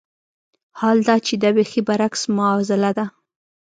حال دا چې دا بېخي برعکس معاضله ده.